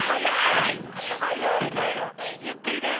ゆっくりね！